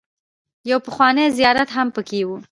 يو پخوانی زيارت هم پکې و.